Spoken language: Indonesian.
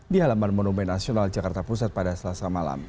di halaman monumen nasional jakarta pusat pada selasa malam